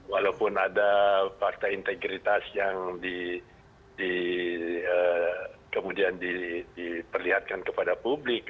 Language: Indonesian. walaupun ada fakta integritas yang kemudian diperlihatkan kepada publik